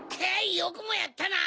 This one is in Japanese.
よくもやったな！